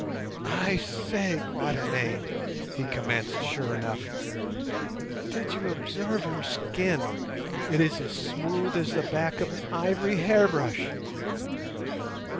"I say, Quatermain," he commenced sure enough, "did you observe her skin? It is as smooth as the back of an ivory hairbrush."